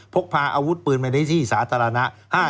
พกพาอาวุธปืนไปในที่สาธารณะ